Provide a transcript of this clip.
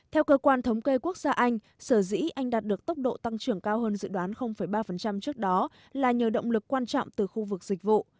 theo cơ quan thống kê quốc gia anh sở dĩ anh đạt được tốc độ tăng trưởng cao hơn dự đoán ba trước đó là nhờ động lực quan trọng từ khu vực dịch vụ